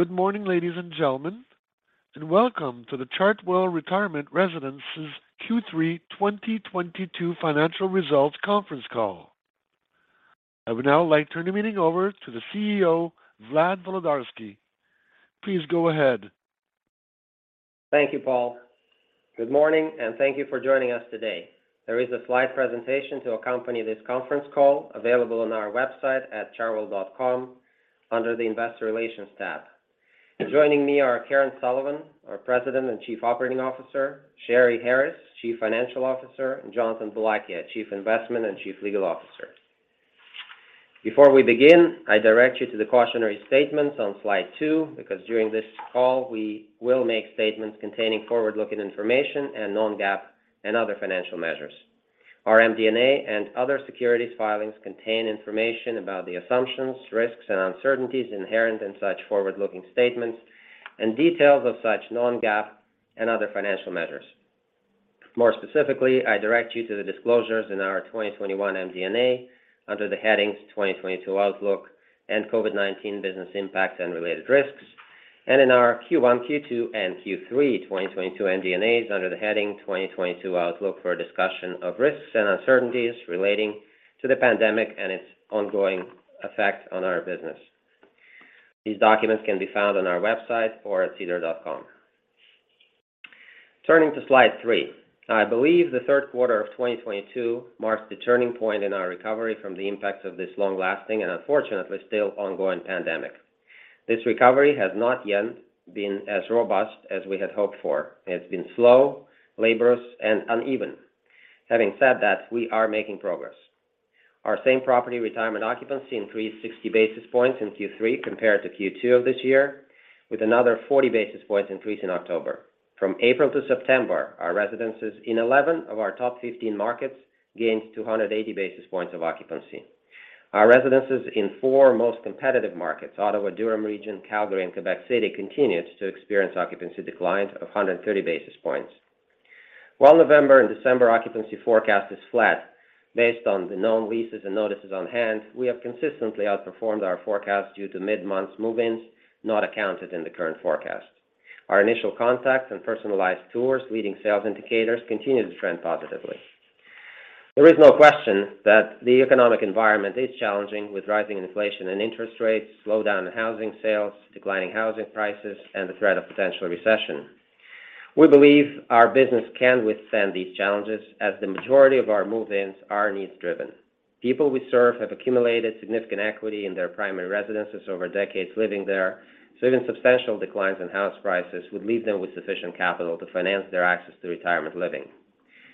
Good morning, ladies and gentlemen, and welcome to the Chartwell Retirement Residences Q3 2022 Financial Results Conference Call. I would now like to turn the meeting over to the CEO, Vlad Volodarsky. Please go ahead. Thank you, Paul. Good morning, and thank you for joining us today. There is a slide presentation to accompany this conference call available on our website at chartwell.com under the Investor Relations tab. Joining me are Karen Sullivan, our President and Chief Operating Officer, Sheri Harris, Chief Financial Officer, and Jonathan Boulakia, Chief Investment and Chief Legal Officer. Before we begin, I direct you to the cautionary statements on slide two, because during this call, we will make statements containing forward-looking information and non-GAAP and other financial measures. Our MD&A and other securities filings contain information about the assumptions, risks, and uncertainties inherent in such forward-looking statements and details of such non-GAAP and other financial measures. More specifically, I direct you to the disclosures in our 2021 MD&A under the headings "2022 Outlook" and "COVID-19 Business Impact and Related Risks," and in our Q1, Q2, and Q3 2022 MD&As under the heading "2022 Outlook" for a discussion of risks and uncertainties relating to the pandemic and its ongoing effect on our business. These documents can be found on our website or at sedar.com. Turning to slide three. I believe the third quarter of 2022 marks the turning point in our recovery from the impacts of this long-lasting and unfortunately still ongoing pandemic. This recovery has not yet been as robust as we had hoped for. It's been slow, laborious, and uneven. Having said that, we are making progress. Our same property retirement occupancy increased 60 basis points in Q3 compared to Q2 of this year, with another 40 basis points increase in October. From April to September, our Residences in 11 of our top 15 markets gained 280 basis points of occupancy. Our Residences in 4 most competitive markets, Ottawa, Durham Region, Calgary, and Quebec City, continued to experience occupancy declines of 130 basis points. While November and December occupancy forecast is flat, based on the known leases and notices on hand, we have consistently outperformed our forecast due to mid-month move-ins not accounted in the current forecast. Our initial contacts and personalized tours, leading sales indicators, continue to trend positively. There is no question that the economic environment is challenging with rising inflation and interest rates, slowdown in housing sales, declining housing prices, and the threat of potential recession. We believe our business can withstand these challenges as the majority of our move-ins are needs-driven. People we serve have accumulated significant equity in their primary residences over decades living there, so even substantial declines in house prices would leave them with sufficient capital to finance their access to retirement living.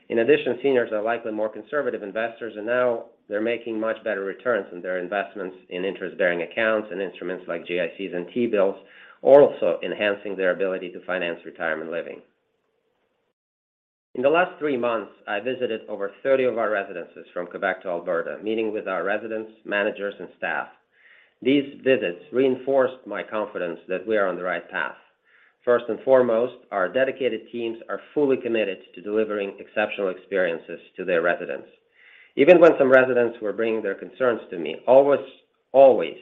In addition, seniors are likely more conservative investors, and now they're making much better returns on their investments in interest-bearing accounts and instruments like GICs and T-bills, also enhancing their ability to finance retirement living. In the last three months, I visited over 30 of our Residences from Quebec to Alberta, meeting with our residents, managers, and staff. These visits reinforced my confidence that we are on the right path. First and foremost, our dedicated teams are fully committed to delivering exceptional experiences to their residents. Even when some residents were bringing their concerns to me, always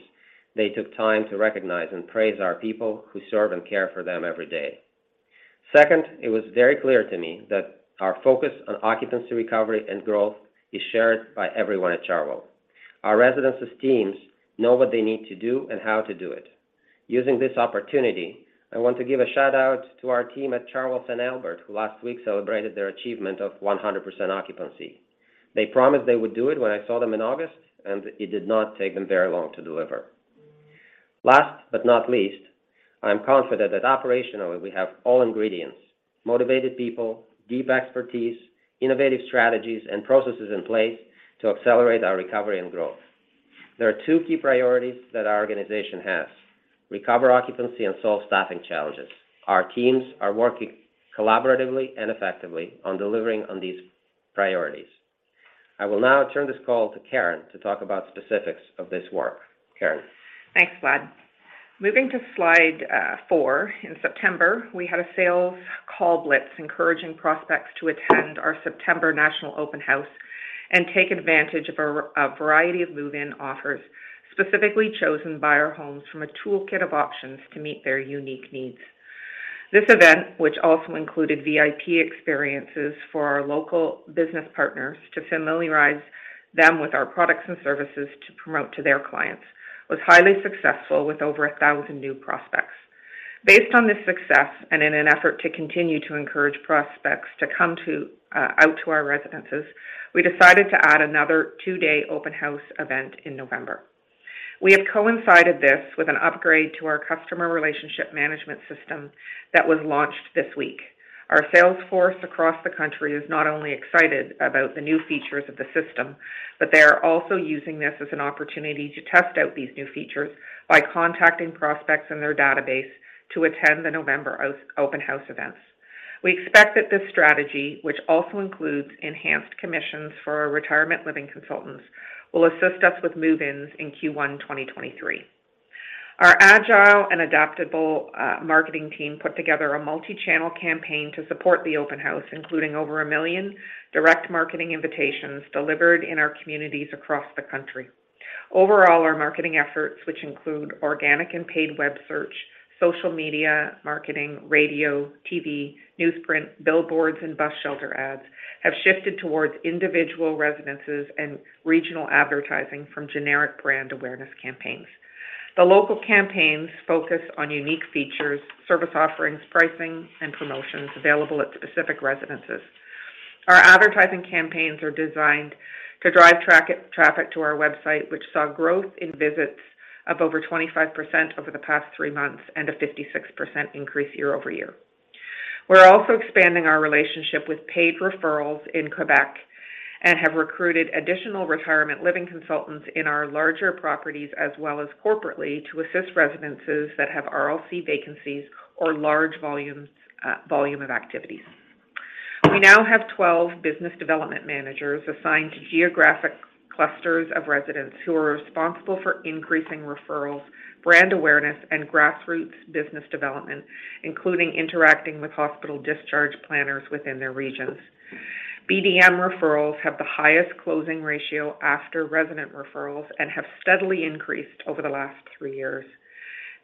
they took time to recognize and praise our people who serve and care for them every day. Second, it was very clear to me that our focus on occupancy recovery and growth is shared by everyone at Chartwell. Our Residences teams know what they need to do and how to do it. Using this opportunity, I want to give a shout-out to our team at Chartwell St. Albert, who last week celebrated their achievement of 100% occupancy. They promised they would do it when I saw them in August, and it did not take them very long to deliver. Last but not least, I'm confident that operationally we have all ingredients, motivated people, deep expertise, innovative strategies, and processes in place to accelerate our recovery and growth. There are two key priorities that our organization has, recover occupancy and solve staffing challenges. Our teams are working collaboratively and effectively on delivering on these priorities. I will now turn this call to Karen to talk about specifics of this work. Karen? Thanks, Vlad. Moving to slide four, in September, we had a sales call blitz encouraging prospects to attend our September national open house and take advantage of a variety of move-in offers, specifically chosen by our homes from a toolkit of options to meet their unique needs. This event, which also included VIP experiences for our local business partners to familiarize them with our products and services to promote to their clients, was highly successful with over 1,000 new prospects. Based on this success, in an effort to continue to encourage prospects to come out to our Residences, we decided to add another two-day open house event in November. We have coincided this with an upgrade to our customer relationship management system that was launched this week. Our sales force across the country is not only excited about the new features of the system, but they are also using this as an opportunity to test out these new features by contacting prospects in their database to attend the November open house events. We expect that this strategy, which also includes enhanced commissions for our retirement living consultants, will assist us with move-ins in Q1, 2023. Our agile and adaptable marketing team put together a multi-channel campaign to support the open house, including over 1 million direct marketing invitations delivered in our communities across the country. Overall, our marketing efforts, which include organic and paid web search, social media, marketing, radio, TV, newsprint, billboards, and bus shelter ads, have shifted towards individual residences and regional advertising from generic brand awareness campaigns. The local campaigns focus on unique features, service offerings, pricing, and promotions available at specific residences. Our advertising campaigns are designed to drive traffic to our website, which saw growth in visits of over 25% over the past three months and a 56% increase year-over-year. We're also expanding our relationship with paid referrals in Quebec and have recruited additional retirement living consultants in our larger properties as well as corporately to assist residences that have RLC vacancies or large volumes of activities. We now have 12 business development managers assigned to geographic clusters of residents who are responsible for increasing referrals, brand awareness, and grassroots business development, including interacting with hospital discharge planners within their regions. BDM referrals have the highest closing ratio after resident referrals and have steadily increased over the last three years.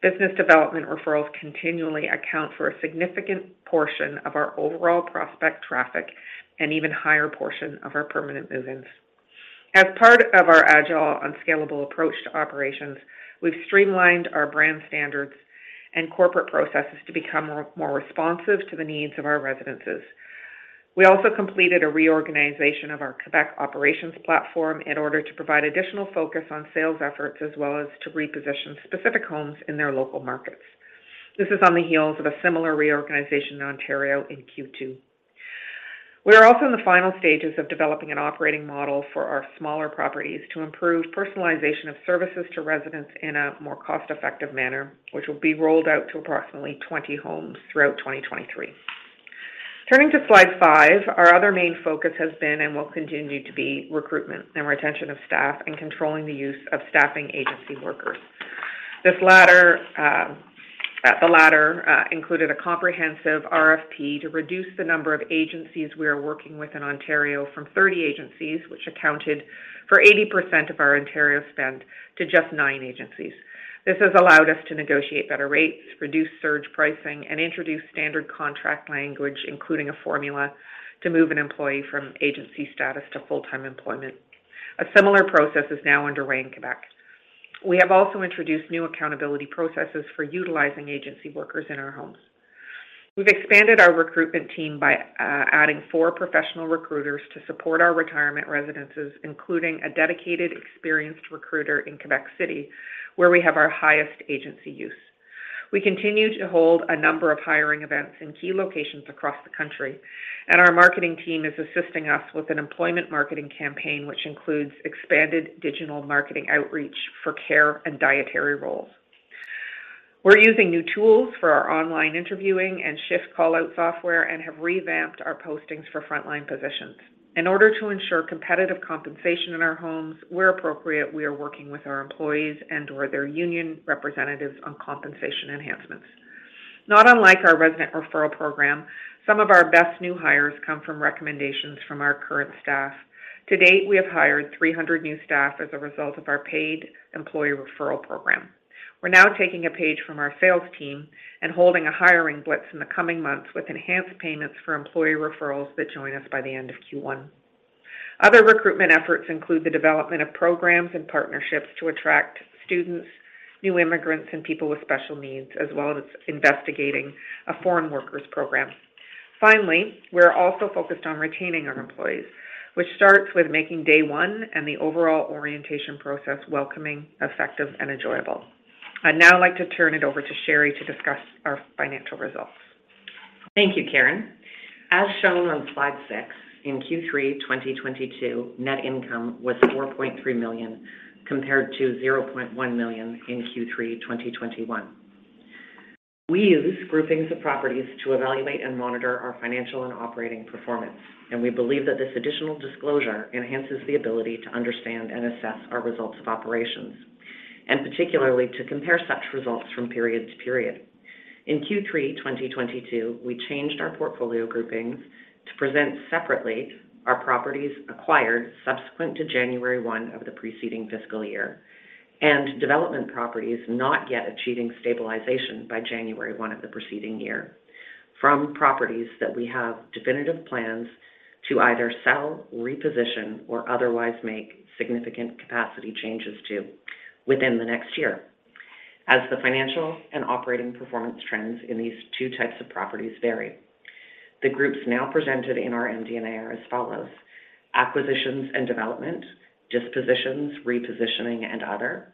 Business development referrals continually account for a significant portion of our overall prospect traffic and even higher portion of our permanent move-ins. As part of our agile and scalable approach to operations, we've streamlined our brand standards and corporate processes to become more responsive to the needs of our residences. We also completed a reorganization of our Quebec operations platform in order to provide additional focus on sales efforts as well as to reposition specific homes in their local markets. This is on the heels of a similar reorganization in Ontario in Q2. We are also in the final stages of developing an operating model for our smaller properties to improve personalization of services to residents in a more cost-effective manner, which will be rolled out to approximately 20 homes throughout 2023. Turning to slide 5, our other main focus has been and will continue to be recruitment and retention of staff and controlling the use of staffing agency workers. This latter included a comprehensive RFP to reduce the number of agencies we are working with in Ontario from 30 agencies, which accounted for 80% of our Ontario spend, to just 9 agencies. This has allowed us to negotiate better rates, reduce surge pricing, and introduce standard contract language, including a formula to move an employee from agency status to full-time employment. A similar process is now underway in Quebec. We have also introduced new accountability processes for utilizing agency workers in our homes. We've expanded our recruitment team by adding 4 professional recruiters to support our retirement residences, including a dedicated, experienced recruiter in Quebec City, where we have our highest agency use. We continue to hold a number of hiring events in key locations across the country, and our marketing team is assisting us with an employment marketing campaign, which includes expanded digital marketing outreach for care and dietary roles. We're using new tools for our online interviewing and shift call-out software and have revamped our postings for frontline positions. In order to ensure competitive compensation in our homes, where appropriate, we are working with our employees and/or their union representatives on compensation enhancements. Not unlike our resident referral program, some of our best new hires come from recommendations from our current staff. To date, we have hired 300 new staff as a result of our paid employee referral program. We're now taking a page from our sales team and holding a hiring blitz in the coming months with enhanced payments for employee referrals that join us by the end of Q1. Other recruitment efforts include the development of programs and partnerships to attract students, new immigrants, and people with special needs, as well as investigating a foreign workers program. Finally, we're also focused on retaining our employees, which starts with making day one and the overall orientation process welcoming, effective, and enjoyable. I'd now like to turn it over to Sheri to discuss our financial results. Thank you, Karen. As shown on slide 6, in Q3 2022, net income was 4.3 million compared to 0.1 million in Q3 2021. We use groupings of properties to evaluate and monitor our financial and operating performance, and we believe that this additional disclosure enhances the ability to understand and assess our results of operations, and particularly to compare such results from period to period. In Q3 2022, we changed our portfolio groupings to present separately our properties acquired subsequent to January 1 of the preceding fiscal year and development properties not yet achieving stabilization by January 1 of the preceding year from properties that we have definitive plans to either sell, reposition, or otherwise make significant capacity changes to within the next year. As the financial and operating performance trends in these two types of properties vary. The groups now presented in our MD&A are as follows: acquisitions and development; dispositions, repositioning, and other;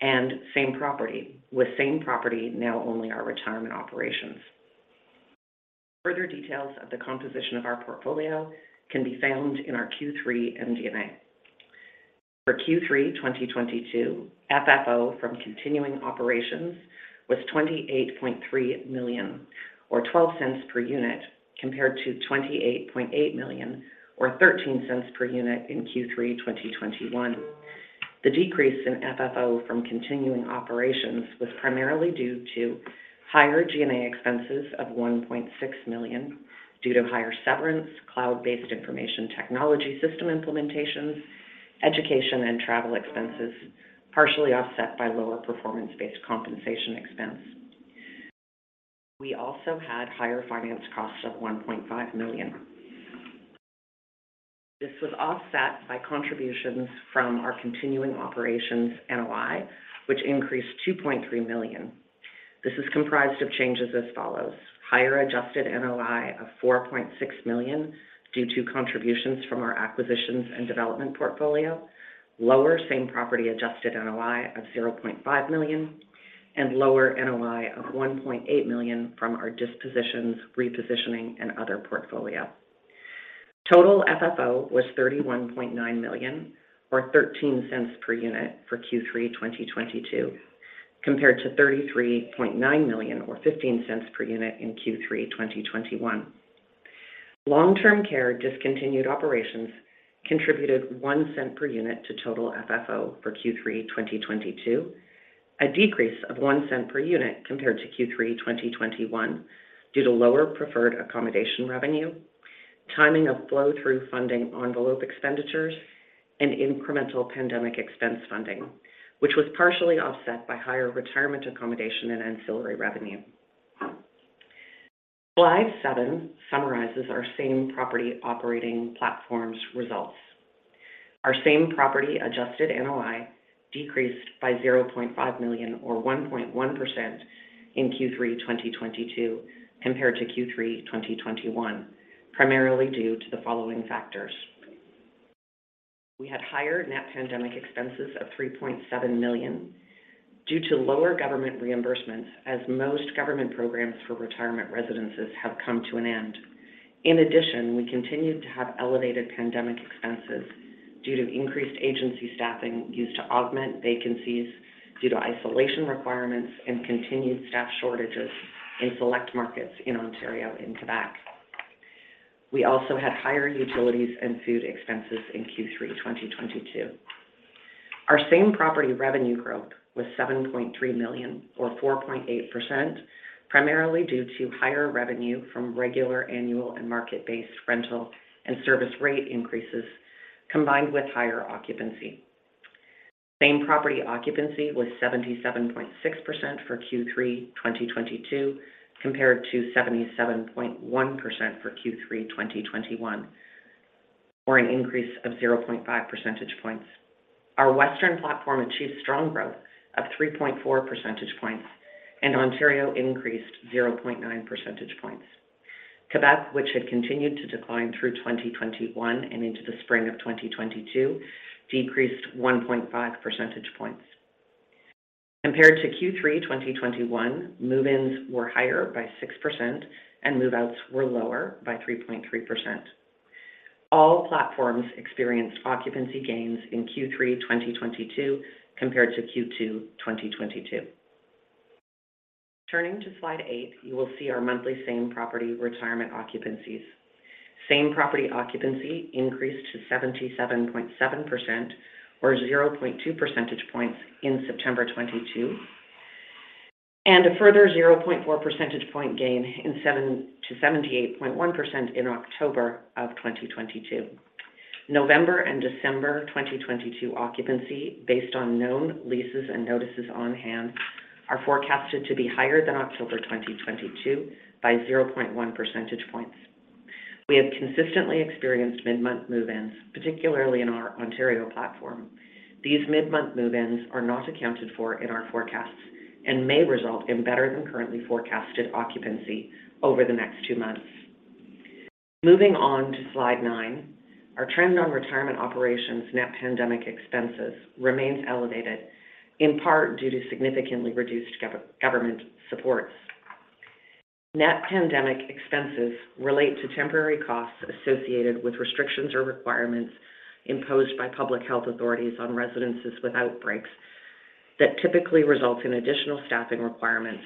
and same property, with same property now only our retirement operations. Further details of the composition of our portfolio can be found in our Q3 MD&A. For Q3 2022, FFO from continuing operations was 28.3 million or 0.12 per unit, compared to 28.8 million or 0.13 per unit in Q3 2021. The decrease in FFO from continuing operations was primarily due to higher G&A expenses of 1.6 million due to higher severance, cloud-based information technology system implementations, education and travel expenses, partially offset by lower performance-based compensation expense. We also had higher finance costs of 1.5 million. This was offset by contributions from our continuing operations NOI, which increased 2.3 million. This is comprised of changes as follows. Higher adjusted NOI of 4.6 million due to contributions from our acquisitions and development portfolio. Lower same-property adjusted NOI of 0.5 million, and lower NOI of 1.8 million from our dispositions, repositioning, and other portfolio. Total FFO was 31.9 million or 0.13 per unit for Q3 2022, compared to 33.9 million or 0.15 per unit in Q3 2021. Long-term care discontinued operations contributed 0.01 per unit to total FFO for Q3 2022, a decrease of 0.01 per unit compared to Q3 2021 due to lower preferred accommodation revenue, timing of flow-through funding envelope expenditures, and incremental pandemic expense funding, which was partially offset by higher retirement accommodation and ancillary revenue. Slide 7 summarizes our same-property operating platforms results. Our same-property adjusted NOI decreased by 0.5 million or 1.1% in Q3 2022 compared to Q3 2021, primarily due to the following factors. We had higher net pandemic expenses of 3.7 million due to lower government reimbursements as most government programs for retirement residences have come to an end. In addition, we continued to have elevated pandemic expenses due to increased agency staffing used to augment vacancies due to isolation requirements and continued staff shortages in select markets in Ontario and Quebec. We also had higher utilities and food expenses in Q3 2022. Our same-property revenue growth was 7.3 million or 4.8%, primarily due to higher revenue from regular, annual, and market-based rental and service rate increases combined with higher occupancy. Same-property occupancy was 77.6% for Q3 2022 compared to 77.1% for Q3 2021, or an increase of 0.5 percentage points. Our Western platform achieved strong growth of 3.4 percentage points, and Ontario increased 0.9 percentage points. Quebec, which had continued to decline through 2021 and into the spring of 2022, decreased 1.5 percentage points. Compared to Q3 2021, move-ins were higher by 6%, and move-outs were lower by 3.3%. All platforms experienced occupancy gains in Q3 2022 compared to Q2 2022. Turning to slide 8, you will see our monthly same-property retirement occupancies. Same-property occupancy increased to 77.7% or 0.2 percentage points in September 2022, and a further 0.4 percentage point gain to 78.1% in October of 2022. November and December 2022 occupancy based on known leases and notices on hand are forecasted to be higher than October 2022 by 0.1 percentage points. We have consistently experienced mid-month move-ins, particularly in our Ontario platform. These mid-month move-ins are not accounted for in our forecasts and may result in better than currently forecasted occupancy over the next two months. Moving on to slide 9, our trend on retirement operations net pandemic expenses remains elevated, in part due to significantly reduced government supports. Net pandemic expenses relate to temporary costs associated with restrictions or requirements imposed by public health authorities on residences with outbreaks that typically result in additional staffing requirements,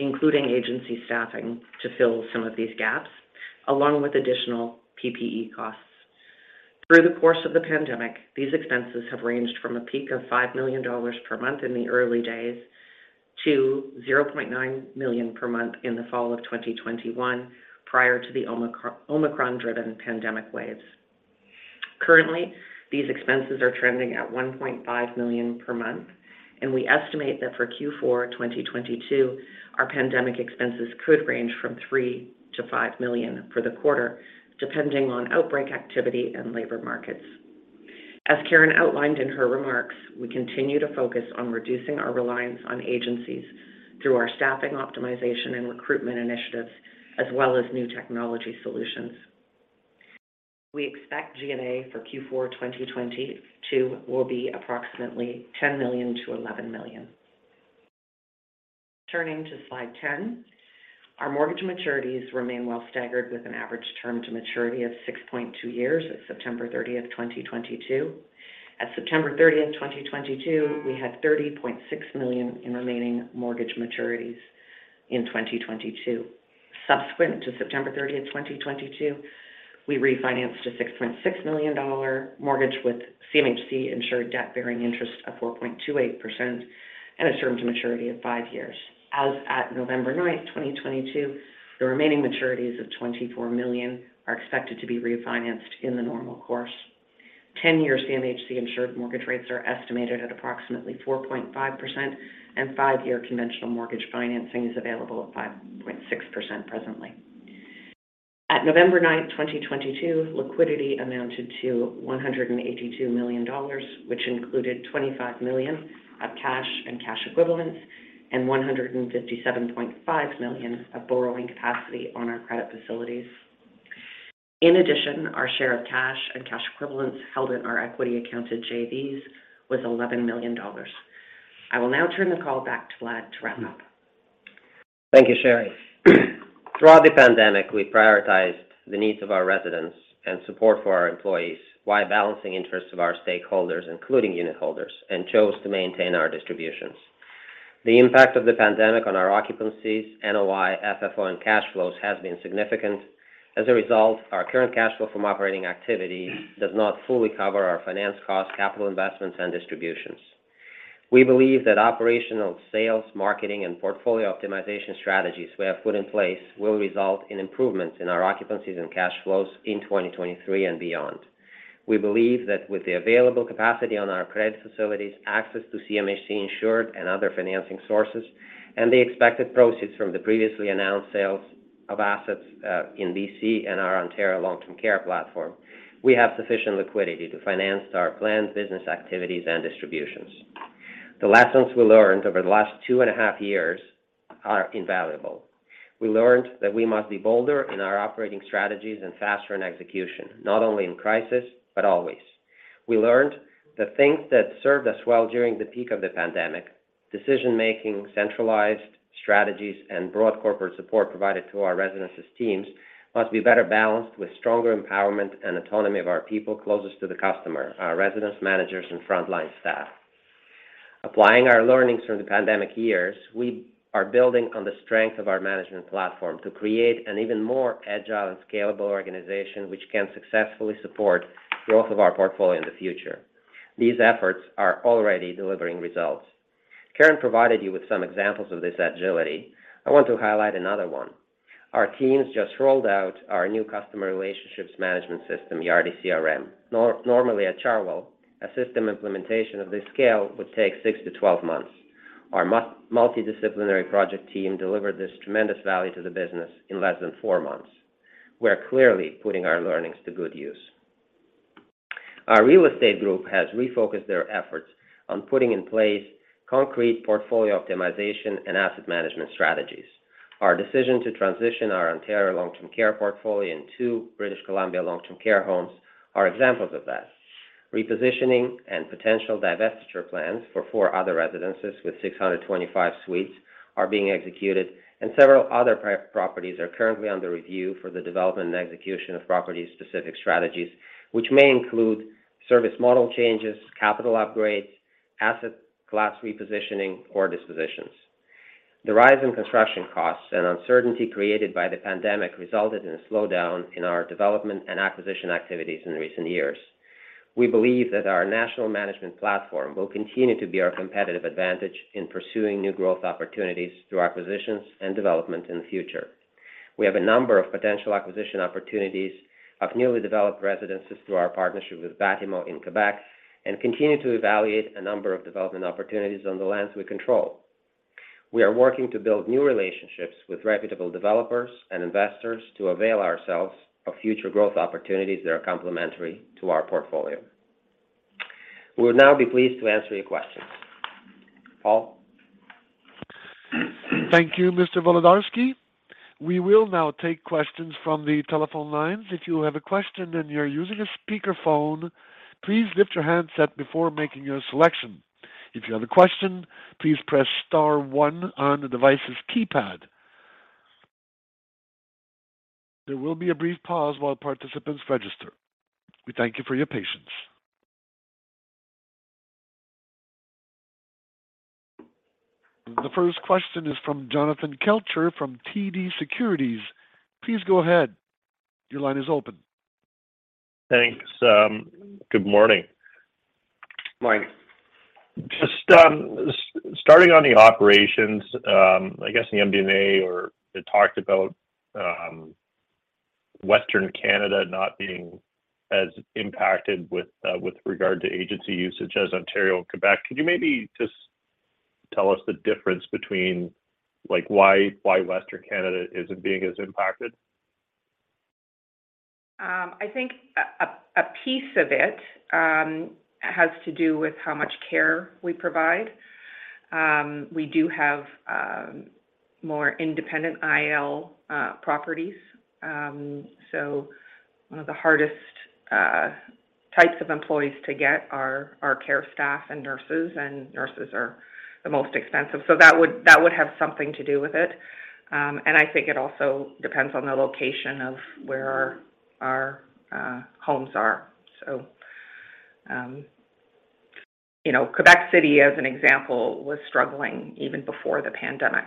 including agency staffing, to fill some of these gaps, along with additional PPE costs. Through the course of the pandemic, these expenses have ranged from a peak of 5 million dollars per month in the early days to 0.9 million per month in the fall of 2021 prior to the Omicron-driven pandemic waves. Currently, these expenses are trending at 1.5 million per month, and we estimate that for Q4 2022, our pandemic expenses could range from 3 million to 5 million for the quarter, depending on outbreak activity and labor markets. As Karen Sullivan outlined in her remarks, we continue to focus on reducing our reliance on agencies through our staffing optimization and recruitment initiatives as well as new technology solutions. We expect G&A for Q4 2022 will be approximately 10 million to 11 million. Turning to slide 10, our mortgage maturities remain well staggered with an average term to maturity of 6.2 years at September 30, 2022. At September 30th, 2022, we had 30.6 million in remaining mortgage maturities in 2022. Subsequent to September 30th, 2022, we refinanced a 6.6 million dollar mortgage with CMHC insured debt bearing interest of 4.28% and a term to maturity of 5 years. As at November 9th, 2022, the remaining maturities of 24 million are expected to be refinanced in the normal course. 10-year CMHC insured mortgage rates are estimated at approximately 4.5%, and 5-year conventional mortgage financing is available at 5.6% presently. At November 9th, 2022, liquidity amounted to 182 million dollars, which included 25 million of cash and cash equivalents, and 157.5 million of borrowing capacity on our credit facilities. In addition, our share of cash and cash equivalents held in our equity accounted JVs was 11 million dollars. I will now turn the call back to Vlad to wrap up. Thank you, Sheri. Throughout the pandemic, we prioritized the needs of our residents and support for our employees while balancing interests of our stakeholders, including unit holders, and chose to maintain our distributions. The impact of the pandemic on our occupancies, NOI, FFO, and cash flows has been significant. As a result, our current cash flow from operating activity does not fully cover our finance costs, capital investments, and distributions. We believe that operational sales, marketing, and portfolio optimization strategies we have put in place will result in improvements in our occupancies and cash flows in 2023 and beyond. We believe that with the available capacity on our credit facilities, access to CMHC insured and other financing sources, and the expected proceeds from the previously announced sales of assets in BC and our Ontario long-term care platform, we have sufficient liquidity to finance our planned business activities and distributions. The lessons we learned over the last 2.5 Years are invaluable. We learned that we must be bolder in our operating strategies and faster in execution, not only in crisis, but always. We learned the things that served us well during the peak of the pandemic, decision-making, centralized strategies, and broad corporate support provided to our Residences teams, must be better balanced with stronger empowerment and autonomy of our people closest to the customer, our residence managers and frontline staff. Applying our learnings from the pandemic years, we are building on the strength of our management platform to create an even more agile and scalable organization which can successfully support growth of our portfolio in the future. These efforts are already delivering results. Karen provided you with some examples of this agility. I want to highlight another one. Our teams just rolled out our new customer relationships management system, Yardi CRM. Normally at Chartwell, a system implementation of this scale would take 6-12 months. Our multidisciplinary project team delivered this tremendous value to the business in less than 4 months. We're clearly putting our learnings to good use. Our real estate group has refocused their efforts on putting in place concrete portfolio optimization and asset management strategies. Our decision to transition our Ontario long-term care portfolio into British Columbia long-term care homes are examples of that. Repositioning and potential divestiture plans for 4 other residences with 625 suites are being executed, and several other properties are currently under review for the development and execution of property-specific strategies, which may include service model changes, capital upgrades, asset class repositioning, or dispositions. The rise in construction costs and uncertainty created by the pandemic resulted in a slowdown in our development and acquisition activities in recent years. We believe that our national management platform will continue to be our competitive advantage in pursuing new growth opportunities through acquisitions and development in the future. We have a number of potential acquisition opportunities of newly developed residences through our partnership with Batimo in Quebec, and continue to evaluate a number of development opportunities on the lands we control. We are working to build new relationships with reputable developers and investors to avail ourselves of future growth opportunities that are complementary to our portfolio. We'll now be pleased to answer your questions. Paul? Thank you, Mr. Volodarski. We will now take questions from the telephone lines. If you have a question and you're using a speakerphone, please lift your handset before making your selection. If you have a question, please press star one on the device's keypad. There will be a brief pause while participants register. We thank you for your patience. The first question is from Jonathan Kelcher from TD Securities. Please go ahead. Your line is open. Thanks. Good morning. Morning. Just starting on the operations, I guess the MD&A it talked about Western Canada not being as impacted with regard to agency usage as Ontario and Quebec. Could you maybe just tell us the difference between, like, why Western Canada isn't being as impacted? I think a piece of it has to do with how much care we provide. We do have more independent IL properties. One of the hardest types of employees to get are our care staff and nurses, and nurses are the most expensive. That would have something to do with it. I think it also depends on the location of where our homes are. You know, Quebec City, as an example, was struggling even before the pandemic.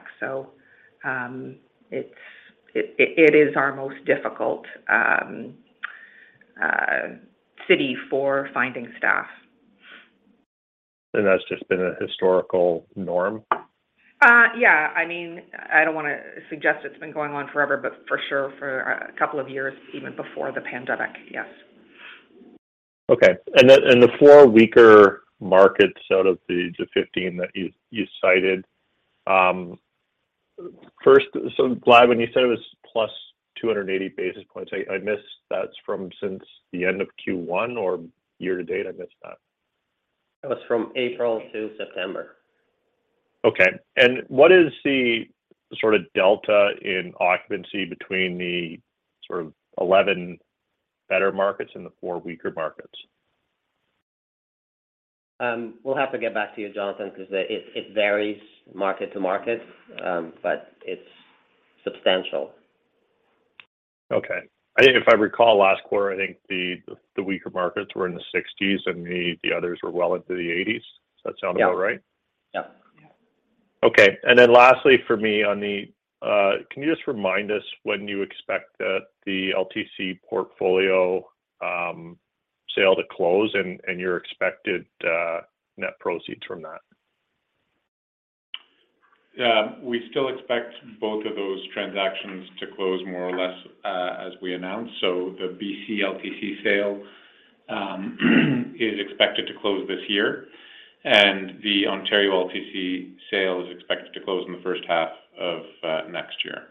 It's our most difficult city for finding staff. That's just been a historical norm? I don't wanna suggest it's been going on forever, but for sure for a couple of years even before the pandemic, yes. Okay. The four weaker markets out of the 15 that you cited. First, Vlad Volodarski, when you said it was +280 basis points, I missed. That's from since the end of Q1 or year to date? I missed that. That was from April to September. Okay. What is the delta in occupancy between the sort of 11 better markets and the 4 weaker markets? We'll have to get back to you, Jonathan, because it varies market to market, but it's substantial. Okay. I think if I recall last quarter, I think the weaker markets were in the 60%, and the others were well into the 80%. Does that sound about right? Okay. Lastly for me, can you just remind us when you expect the LTC portfolio sale to close and your expected net proceeds from that? We still expect both of those transactions to close more or less as we announce. The BC LTC sale is expected to close this year, and the Ontario LTC sale is expected to close in the first half of next year.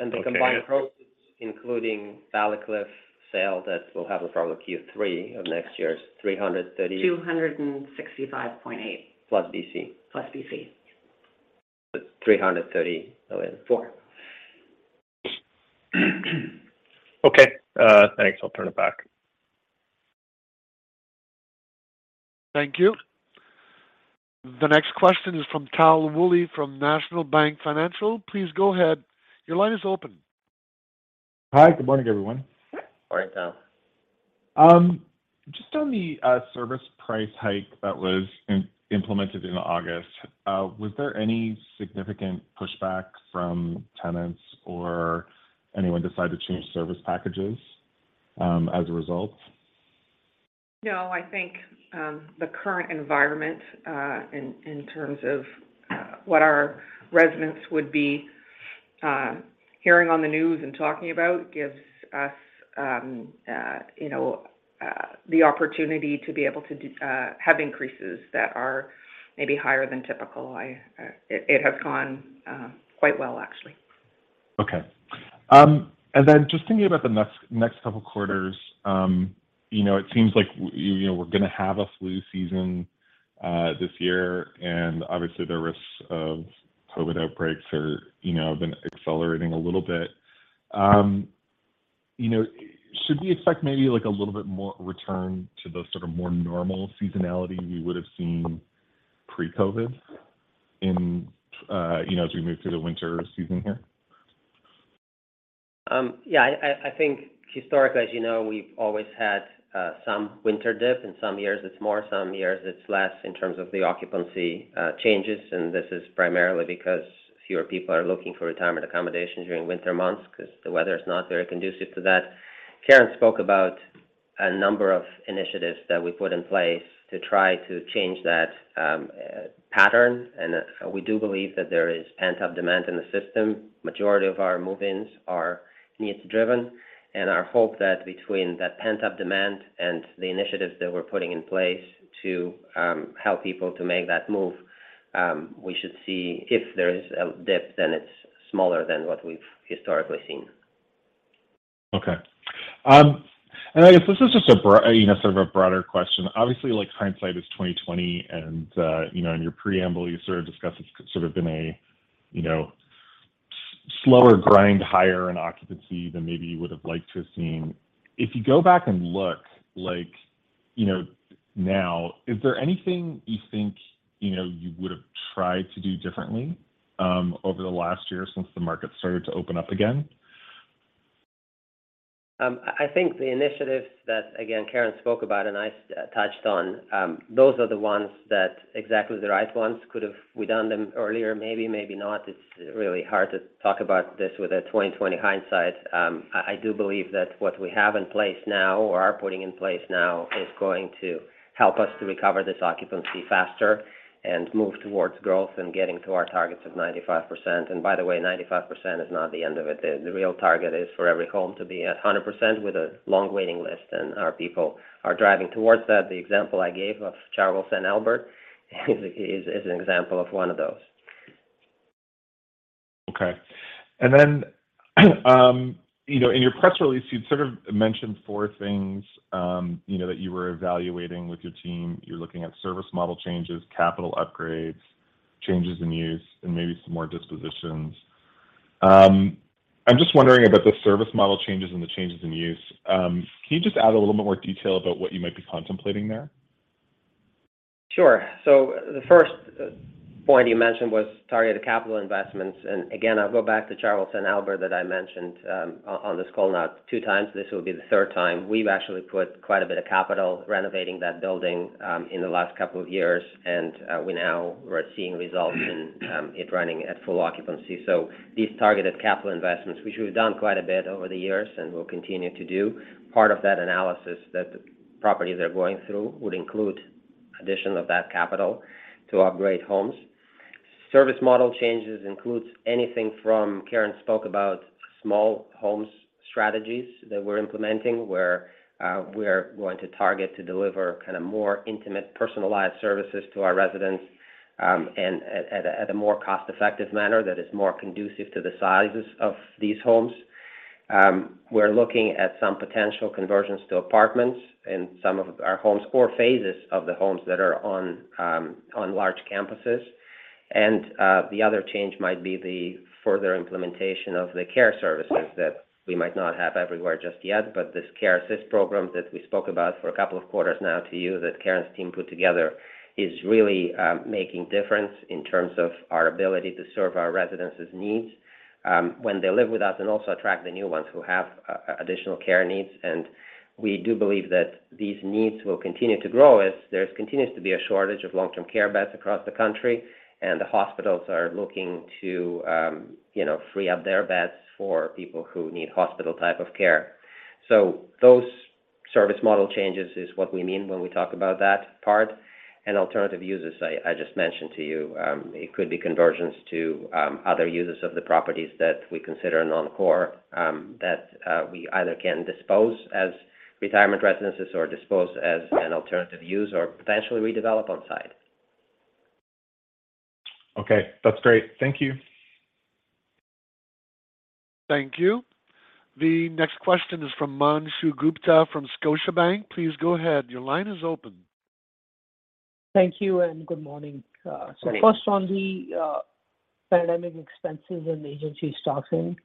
Okay. The combined proceeds, including Ballycliffe sale that will happen probably Q3 of next year is 330. 265.8 plus BC. Okay. Thanks. I'll turn it back. Thank you. The next question is from Tal Woolley from National Bank Financial. Please go ahead. Your line is open. Hi. Good morning, everyone. Morning, Tal. Just on the service price hike that was implemented in August, was there any significant pushback from tenants or anyone decide to change service packages, as a result? No, I think the current environment in terms of what our residents would be hearing on the news and talking about gives us the opportunity to be able to have increases that are maybe higher than typical. It has gone quite well, actually. Okay. Just thinking about the next couple of quarters it seems we're gonna have a flu season this year, and obviously the risks of COVID outbreaks are been accelerating a little bit. You know, should we expect maybe a little bit more return to the sort of more normal seasonality we would have seen pre-COVID as we move through the winter season here? I think historically, as you know, we've always had some winter dip. In some years it's more, some years it's less in terms of the occupancy changes. This is primarily because fewer people are looking for retirement accommodation during winter months because the weather is not very conducive to that. Karen spoke about a number of initiatives that we put in place to try to change that pattern, and we do believe that there is pent-up demand in the system. Majority of our move-ins are needs-driven, and our hope that between that pent-up demand and the initiatives that we're putting in place to help people to make that move, we should see if there is a dip, then it's smaller than what we've historically seen. Okay. I guess this is just a broader question. Obviously, like hindsight is 20/20 and in your preamble, you discussed it's been a slower grind higher in occupancy than maybe you would have liked to have seen. If you go back and look like now, is there anything you think you would have tried to do differently, over the last year since the market started to open up again? I think the initiatives that, again, Karen spoke about and I touched on, those are exactly the right ones. Could we have done them earlier? Maybe, maybe not. It's really hard to talk about this with 20/20 hindsight. I do believe that what we have in place now or are putting in place now is going to help us to recover this occupancy faster and move towards growth and getting to our targets of 95%. By the way, 95% is not the end of it. The real target is for every home to be at 100% with a long waiting list, and our people are driving towards that. The example I gave of Chartwell St. Albert is an example of one of those. Okay. You know, in your press release, you sort of mentioned four things, you know, that you were evaluating with your team. You're looking at service model changes, capital upgrades, changes in use, and maybe some more dispositions. I'm just wondering about the service model changes and the changes in use. Can you just add a little bit more detail about what you might be contemplating there? Sure. The first point you mentioned was targeted capital investments. Again, I'll go back to Chartwell St. Albert that I mentioned on this call now 2x. This will be the third time. We've actually put quite a bit of capital renovating that building in the last couple of years, and we now are seeing results in it running at full occupancy. These targeted capital investments, which we've done quite a bit over the years and will continue to do, part of that analysis that the properties are going through would include addition of that capital to upgrade homes. Service model changes includes anything from. Karen spoke about small homes strategies that we're implementing, where we're going to target to deliver kind of more intimate, personalized services to our residents, and at a more cost-effective manner that is more conducive to the sizes of these homes. We're looking at some potential conversions to apartments in some of our homes or phases of the homes that are on large campuses. The other change might be the further implementation of the care services that we might not have everywhere just yet. This Care Assist program that we spoke about for a couple of quarters now to you that Karen's team put together is really making difference in terms of our ability to serve our residents' needs, when they live with us and also attract the new ones who have additional care needs. We do believe that these needs will continue to grow as there continues to be a shortage of long-term care beds across the country, and the hospitals are looking to, you know, free up their beds for people who need hospital-type care. Those service model changes is what we mean when we talk about that part. Alternative uses, I just mentioned to you, it could be conversions to other uses of the properties that we consider non-core, that we either can dispose as retirement residences or dispose as an alternative use or potentially redevelop on-site. Okay. That's great. Thank you. Thank you. The next question is from Himanshu Gupta from Scotiabank. Please go ahead. Your line is open. Thank you, and good morning. Good morning. First on the pandemic expenses and agency staffing.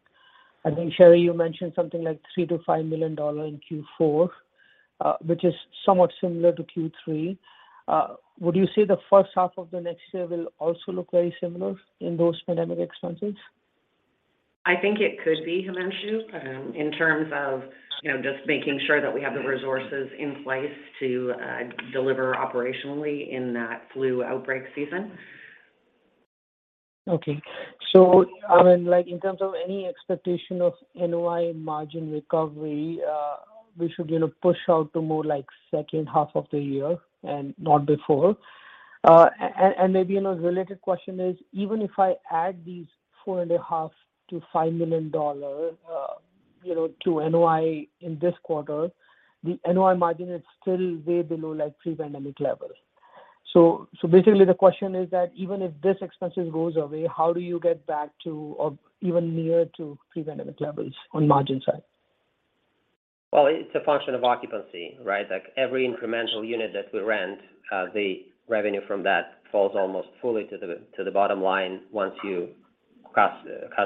I think, Karen, you mentioned something like 3 million to 5 million dollars in Q4, which is somewhat similar to Q3. Would you say the first half of the next year will also look very similar in those pandemic expenses? I think it could be, Himanshu, in terms of, you know, just making sure that we have the resources in place to deliver operationally in that flu outbreak season. In terms of any expectation of NOI margin recovery, we should, you know, push out to more like second half of the year and not before. Maybe related question is, even if I add these 4.5 million to 5 million dollars to NOI in this quarter, the NOI margin is still way below, like, pre-pandemic levels. Basically, the question is that even if this expenses goes away, how do you get back to or even near to pre-pandemic levels on margin side? Well, it's a function of occupancy, right? Wvery incremental unit that we rent, the revenue from that falls almost fully to the bottom line once you cross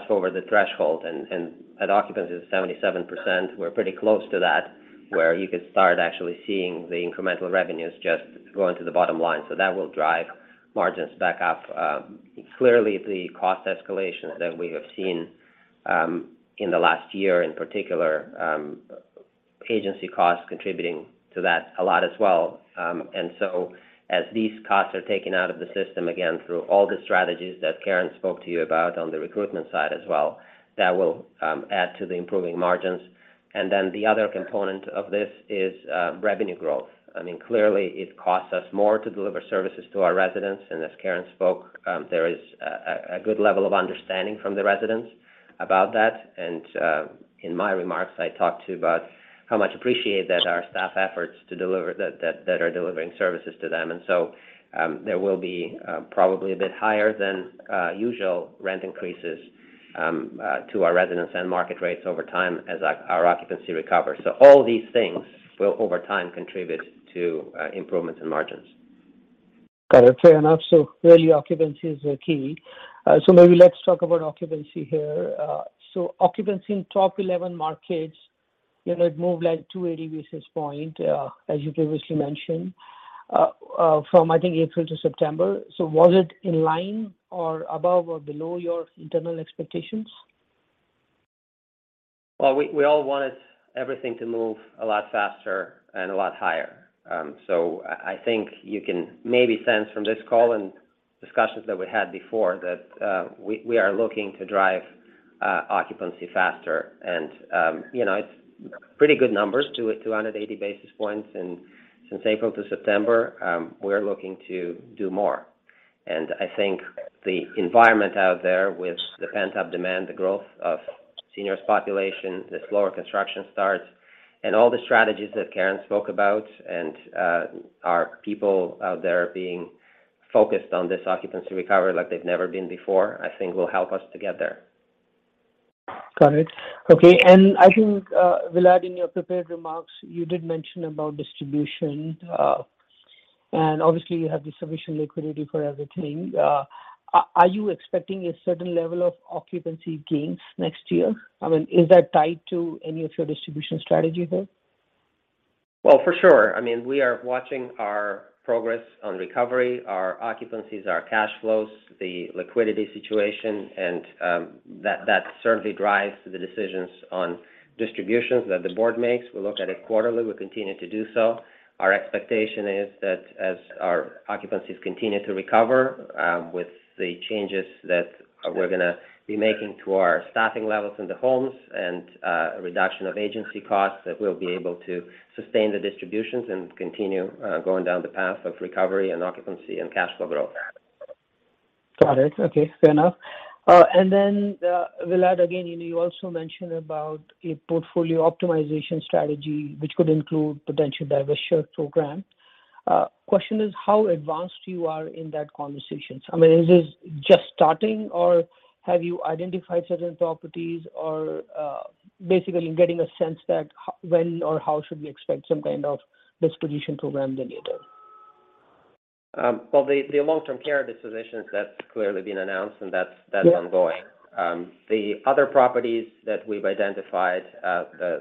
over the threshold. At occupancy of 77%, we're pretty close to that, where you can start actually seeing the incremental revenues just going to the bottom line. That will drive margins back up. Clearly the cost escalation that we have seen in the last year, in particular, agency costs contributing to that a lot as well. As these costs are taken out of the system, again, through all the strategies that Karen spoke to you about on the recruitment side as well, that will add to the improving margins. Then the other component of this is revenue growth. Clearly, it costs us more to deliver services to our residents. As Karen spoke, there is a good level of understanding from the residents about that. In my remarks, I talked to about how much appreciated that our staff efforts to deliver that are delivering services to them. There will be probably a bit higher than usual rent increases to our residents and market rates over time as our occupancy recovers. All these things will over time contribute to improvements in margins. Got it. Fair enough. Really, occupancy is key. Maybe let's talk about occupancy here. Occupancy in top 11 markets, it moved like 280 basis points, as you previously mentioned, from I think April to September. Was it in line or above or below your internal expectations? Well, we all wanted everything to move a lot faster and a lot higher. I think you can maybe sense from this call and discussions that we had before that we are looking to drive occupancy faster. You know, it's pretty good numbers to 280 basis points. Since April to September, we're looking to do more. I think the environment out there with the pent-up demand, the growth of seniors population, the slower construction starts, and all the strategies that Karen spoke about, and our people out there being focused on this occupancy recovery like they've never been before will help us to get there. Got it. Okay. I think, Vlad, in your prepared remarks, you did mention about distribution. Obviously you have the sufficient liquidity for everything. Are you expecting a certain level of occupancy gains next year? I mean, is that tied to any of your distribution strategy there? Well, for sure. I mean, we are watching our progress on recovery, our occupancies, our cash flows, the liquidity situation, and that certainly drives the decisions on distributions that the board makes. We look at it quarterly, we continue to do so. Our expectation is that as our occupancies continue to recover, with the changes that we're gonna be making to our staffing levels in the homes and a reduction of agency costs, that we'll be able to sustain the distributions and continue going down the path of recovery and occupancy and cash flow growth. Got it. Okay. Fair enough. Vlad, again, you know, you also mentioned about a portfolio optimization strategy, which could include potential divestiture program. Question is how advanced you are in that conversations. I mean, is this just starting, or have you identified certain properties? Or, basically getting a sense that when or how should we expect some kind of disposition program then later? Well, the long-term care dispositions, that's clearly been announced, and that's ongoing. Yeah. The other properties that we've identified,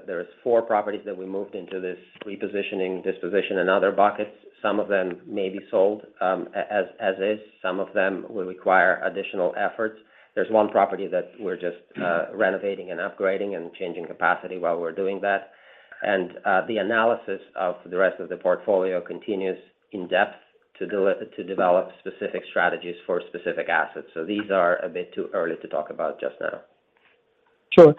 there's four properties that we moved into this repositioning disposition and other buckets. Some of them may be sold, as is. Some of them will require additional efforts. There's one property that we're just renovating and upgrading and changing capacity while we're doing that. The analysis of the rest of the portfolio continues in depth to develop specific strategies for specific assets. These are a bit too early to talk about just now. Sure.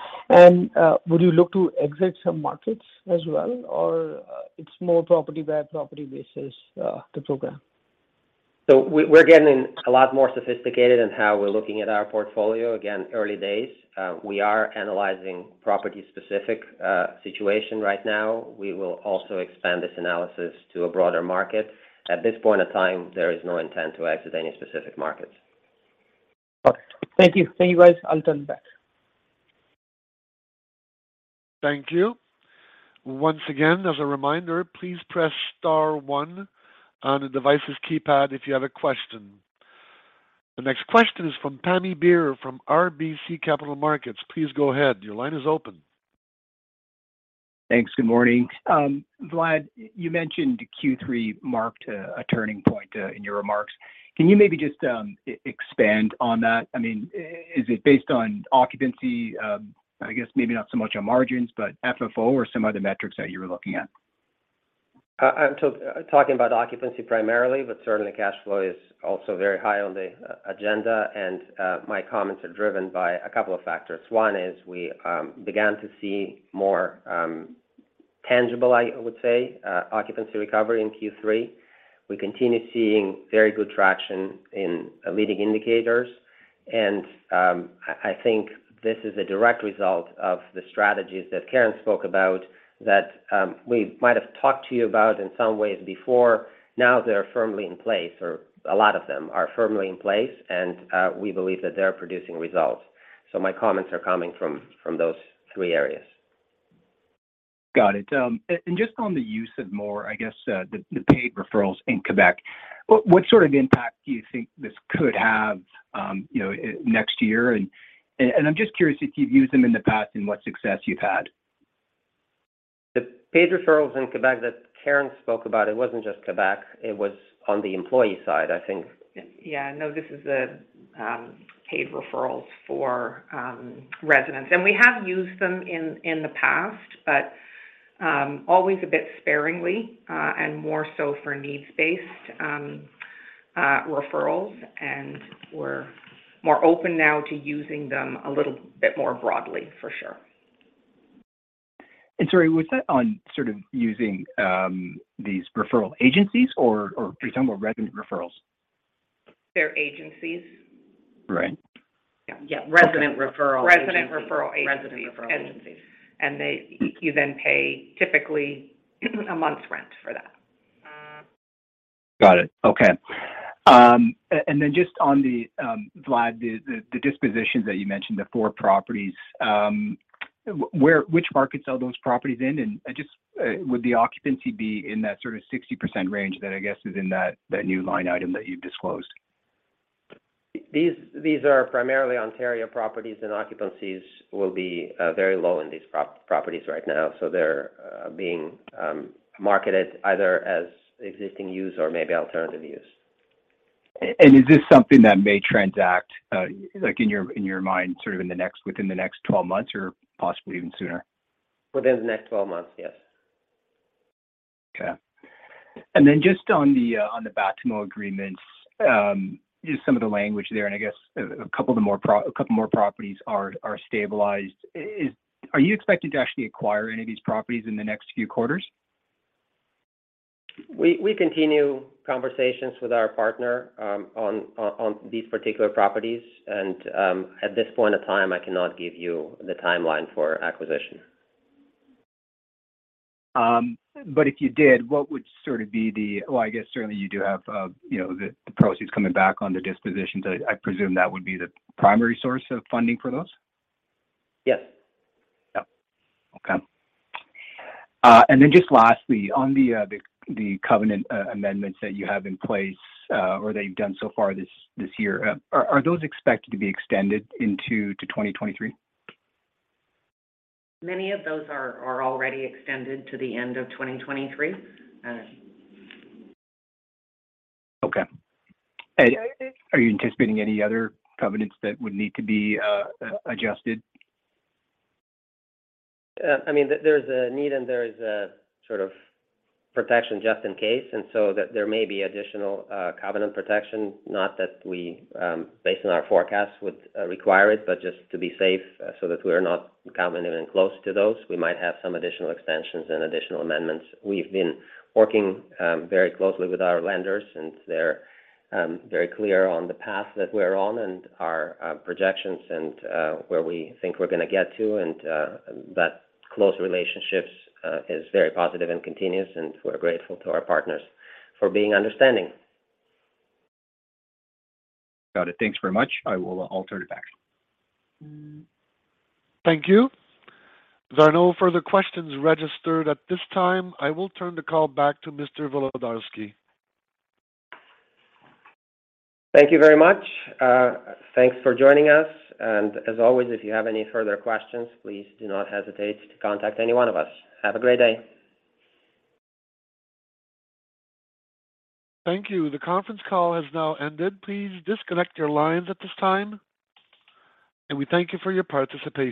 Would you look to exit some markets as well, or it's more property by property basis, the program? We're getting a lot more sophisticated in how we're looking at our portfolio. Again, early days. We are analyzing property-specific situation right now. We will also expand this analysis to a broader market. At this point in time, there is no intent to exit any specific markets. Okay. Thank you. Thank you, guys. I'll turn it back. Thank you. Once again, as a reminder, please press star one on the devices keypad if you have a question. The next question is from Pammi Bir from RBC Capital Markets. Please go ahead. Your line is open. Thanks. Good morning. Vlad, you mentioned Q3 marked a turning point in your remarks. Can you maybe just expand on that? I mean, is it based on occupancy? I guess maybe not so much on margins, but FFO or some other metrics that you were looking at. I'm talking about occupancy primarily, but certainly cash flow is also very high on the agenda, and my comments are driven by a couple of factors. One is we began to see more tangible, I would say, occupancy recovery in Q3. We continue seeing very good traction in leading indicators. I think this is a direct result of the strategies that Karen spoke about that we might have talked to you about in some ways before. Now they're firmly in place, or a lot of them are firmly in place, and we believe that they're producing results. My comments are coming from those three areas. Got it. Just on the use of more, I guess, the paid referrals in Quebec, what sort of impact do you think this could have, you know, next year? I'm just curious if you've used them in the past and what success you've had? The paid referrals in Quebec that Karen spoke about, it wasn't just Quebec. It was on the employee side, I think. No, this is the paid referrals for residents. We have used them in the past, but always a bit sparingly, and more so for needs-based referrals. We're more open now to using them a little bit more broadly for sure. Sorry, was that on sort of using these referral agencies or we're talking about resident referrals? They're agencies. Right. Resident referral agencies. Okay. Resident referral agencies. You then pay typically a month's rent for that. Got it. Okay. And then just on the Vlad, the dispositions that you mentioned, the 4 properties. Which markets are those properties in? And just, would the occupancy be in that sort of 60% range that I guess is in that new line item that you've disclosed? These are primarily Ontario properties, and occupancies will be very low in these properties right now. They're being marketed either as existing use or maybe alternative use. Is this something that may transact, like in your mind, sort of within the next 12 months or possibly even sooner? Within the next 12 months, yes. Okay. Just on the Batimo agreements, just some of the language there, and I guess a couple more properties are stabilized. Are you expecting to actually acquire any of these properties in the next few quarters? We continue conversations with our partner on these particular properties. At this point in time, I cannot give you the timeline for acquisition. Well, I guess certainly you do have, you know, the proceeds coming back on the dispositions. I presume that would be the primary source of funding for those. Yes. Just lastly, on the covenant amendments that you have in place, or that you've done so far this year, are those expected to be extended into 2023? Many of those are already extended to the end of 2023. Okay. Are you anticipating any other covenants that would need to be adjusted? I mean, there's a need and there is a sort of protection just in case. There may be additional covenant protection, not that we, based on our forecast, would require it, but just to be safe so that we're not even close to those. We might have some additional extensions and additional amendments. We've been working very closely with our lenders since they're very clear on the path that we're on and our projections and where we think we're gonna get to. That close relationship is very positive and continuous, and we're grateful to our partners for being understanding. Got it. Thanks very much. I will turn it back. Thank you. There are no further questions registered at this time. I will turn the call back to Mr. Volodarski. Thank you very much. Thanks for joining us. As always, if you have any further questions, please do not hesitate to contact any one of us. Have a great day. Thank you. The conference call has now ended. Please disconnect your lines at this time, and we thank you for your participation.